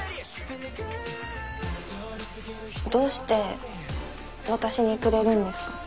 どうして私にくれるんですか？